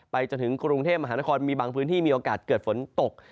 จนถึงกรุงเทพมหานครมีบางพื้นที่มีโอกาสเกิดฝนตก